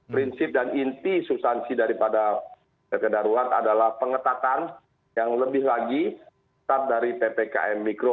prinsip dan inti substansi daripada ppkm darurat adalah pengetatan yang lebih lagi tetap dari ppkm mikro